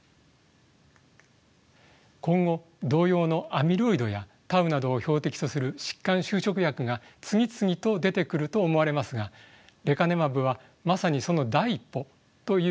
今後同様のアミロイドやタウなどを標的とする疾患修飾薬が次々と出てくると思われますがレカネマブはまさにその第一歩と言うことができます。